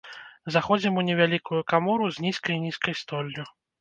Заходзім у невялікую камору з нізкай-нізкай столлю.